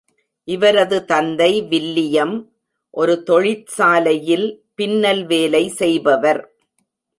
இவரது தந்தை வில்லியம் ஒரு தொழிற்சாலையில் பின்னல் வேலை செய்பவர்.